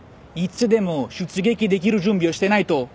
いつでも出撃できる準備をしてないと。